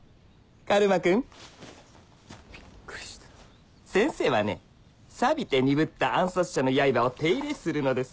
カルマ君びっくりした先生はね錆びて鈍った暗殺者の刃を手入れするのです